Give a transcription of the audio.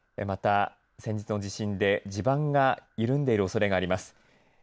また先日の地震で地盤が緩んでいるおそれもあります。